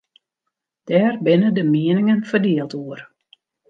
Dêr binne de mieningen ferdield oer.